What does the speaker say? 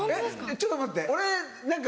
ちょっと待って俺何か。